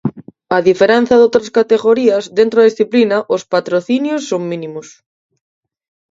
A diferenza doutras categorías dentro da disciplina os patrocinios son mínimos.